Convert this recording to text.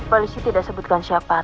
polisi tidak sebutkan siapa